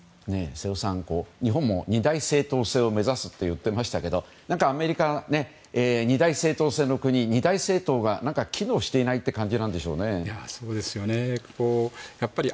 瀬尾さん、日本も二大政党制を目指すと言ってましたけどアメリカ、二大政党制の国二大政党が機能していないという感じなんでしょうね。